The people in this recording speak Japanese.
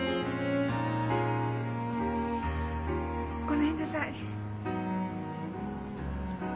ごめんなさい。